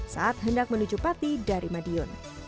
saat hendak menuju pati dari madiun